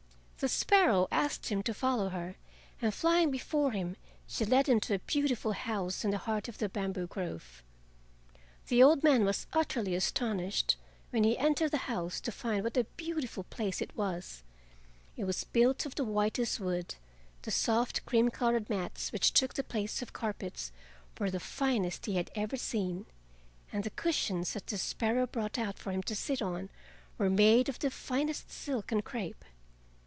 The sparrow asked him to follow her, and flying before him she led him to a beautiful house in the heart of the bamboo grove. The old man was utterly astonished when he entered the house to find what a beautiful place it was. It was built of the whitest wood, the soft cream colored mats which took the place of carpets were the finest he had ever seen, and the cushions that the sparrow brought out for him to sit on were made of the finest silk and crape.